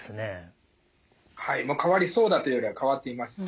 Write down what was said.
はい変わりそうだというよりは変わっています。